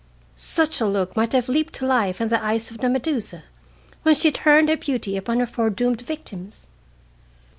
Such a look might have leaped to life in the eyes of the Medusa when she turned her beauty upon her foredoomed victims.